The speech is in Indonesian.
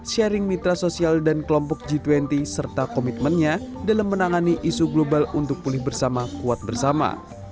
sharing mitra sosial dan kelompok g dua puluh serta komitmennya dalam menangani isu global untuk pulih bersama kuat bersama